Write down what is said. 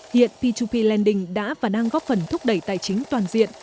hiện p hai p lending đã và đang góp phần thúc đẩy tài chính toàn diện